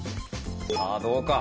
さあどうか？